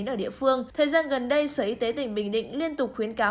ở địa phương thời gian gần đây sở y tế tỉnh bình định liên tục khuyến cáo